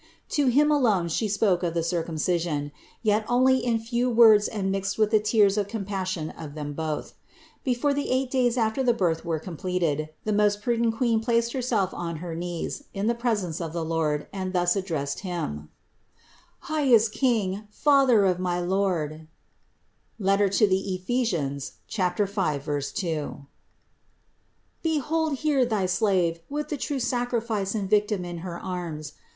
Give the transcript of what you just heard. To him alone She spoke of the Circumcision ; yet only in 436 CITY OF GOD few words and mixed with the tears of compassion of them both. Before the eight days after the Birth were completed, the most prudent Queen placed Herself on her knees in the presence of the Lord and thus addressed Him: "Highest King, Father of my Lord (Eph. 5, 2), behold here thy slave with the true Sacrifice and Victim in her arms.